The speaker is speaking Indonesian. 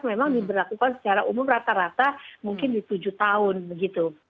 memang diberlakukan secara umum rata rata mungkin di tujuh tahun begitu